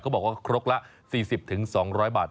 บอกว่าครกละ๔๐๒๐๐บาท